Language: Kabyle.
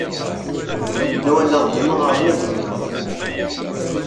Nwan-aɣ d imɣaren i d-nlul.